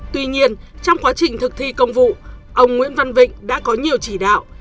tuy nhiên trong quá trình thực thi công vụ ông nguyễn văn vịnh đã có nhiều chỉ đạo